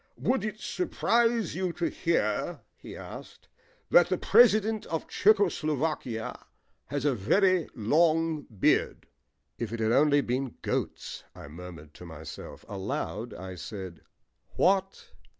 "Would it surprise you to hear," he asked, "that the President of Czecho Slovakia has a very long beard?" "If it had only been 'goats,'" I murmured to myself. Aloud I said, "What?"